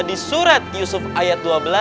di surat yusuf ayat dua belas